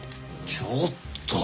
ちょっと！